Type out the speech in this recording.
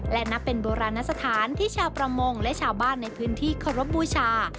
และนับเป็นโบราณสถานที่ชาวประมงและชาวบ้านในพื้นที่เคารพบูชา